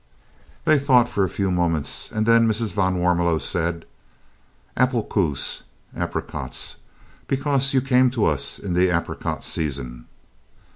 They thought for a few moments, and then Mrs. van Warmelo said: "'Appelkoos' [apricots], because you came to us in the apricot season!"